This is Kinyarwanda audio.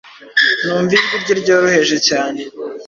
Numva ijwi rye ryoroheje cyane,